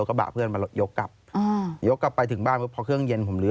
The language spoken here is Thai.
กำลังเครื่อง